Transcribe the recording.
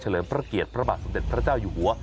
เลิมพระเกียรติพระบาทสมเด็จพระเจ้าอยู่หัว